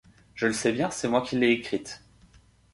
Je le sais bien, c'est moi qui l'ai écrite.